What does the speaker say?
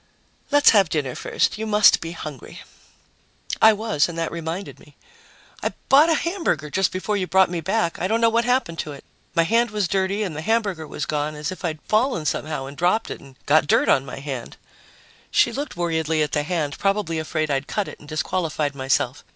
"Let's have dinner first. You must be hungry." I was, and that reminded me: "I bought a hamburger just before you brought me back. I don't know what happened to it. My hand was dirty and the hamburger was gone, as if I'd fallen somehow and dropped it and got dirt on my hand." She looked worriedly at the hand, probably afraid I'd cut it and disqualified myself.